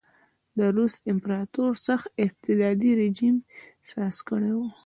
د روس امپراتور سخت استبدادي رژیم ساز کړی و.